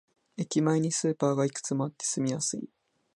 駅前にスーパーがいくつもあって住みやすい